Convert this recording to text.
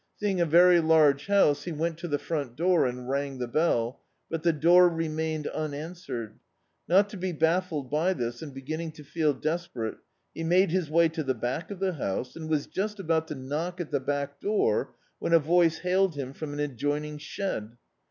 Seeing a very large house he went to the front door and rang tfie bell, but the door re mained unanswered. Not to be baffled by this, and beginning to feel desperate, he made his way to the back of the house, and was just about to knock at the back door when a voice hailed him from an adjoining shed.